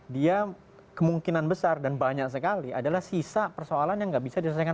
dia kemungkinan besar dan banyak sekali adalah sisa persoalan yang nggak bisa diselesaikan